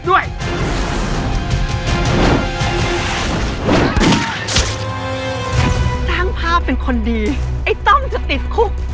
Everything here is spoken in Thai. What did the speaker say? อ้างภาพเป็นคนดีไอ้ต้อมจะติดคุก